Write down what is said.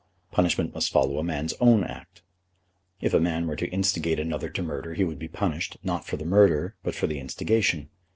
Punishment must follow a man's own act. If a man were to instigate another to murder he would be punished, not for the murder, but for the instigation.